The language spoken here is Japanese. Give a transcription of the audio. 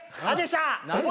あでしゃ！